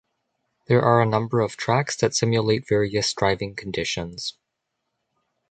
There are a number of tracks that simulate various driving conditions.